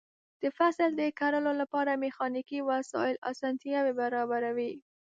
د فصل د کرلو لپاره میخانیکي وسایل اسانتیاوې برابروي.